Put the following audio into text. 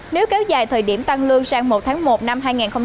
nếu kéo dài thời điểm tăng lương sang một tháng một năm hai nghìn hai mươi